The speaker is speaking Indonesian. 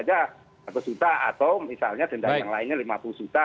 denda aja satu juta atau misalnya denda yang lainnya lima puluh juta